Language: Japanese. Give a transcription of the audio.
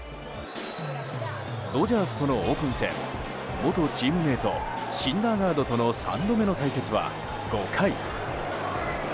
ドジャースとのオープン戦元チームメートシンダーガードとの３度目の対決は、５回。